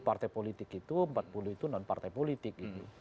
sepuluh partai politik itu empat puluh itu non partai politik gitu